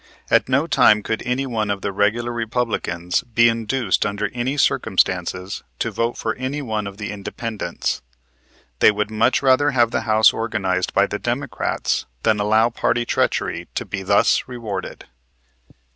At no time could any one of the regular Republicans be induced under any circumstances to vote for any one of the Independents. They would much rather have the House organized by the Democrats than allow party treachery to be thus rewarded.